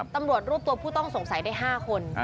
ตำรวจรวบตัวผู้ต้องสงสัยได้๕คน